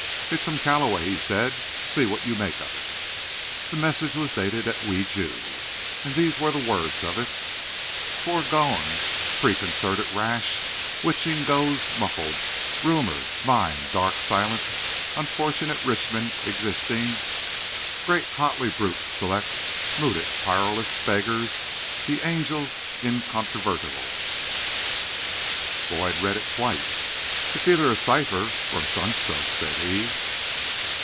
"It's from Calloway," he said. "See what you make of it." The message was dated at Wi ju, and these were the words of it: Foregone preconcerted rash witching goes muffled rumour mine dark silent unfortunate richmond existing great hotly brute select mooted parlous beggars ye angel incontrovertible. Boyd read it twice. "It's either a cipher or a sunstroke," said he.